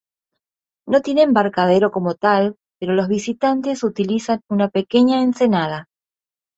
No tiene embarcadero como tal, pero los visitantes utilizan una pequeña ensenada.